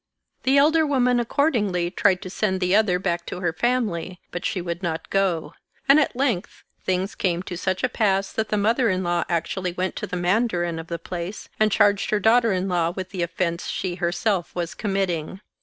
The elder woman accordingly tried to send the other back to her family, but she would not go ; and at length things came to such a pass that the mother in law actually went to the mandarin of the place and charged her daughter in law with the offense she herself was committing.